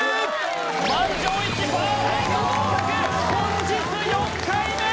本日４回目！